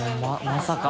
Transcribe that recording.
まさか？